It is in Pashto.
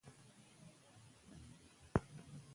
د رواني روغتیا ورځ هر کال نمانځل کېږي.